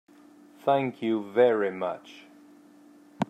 Thank you very much.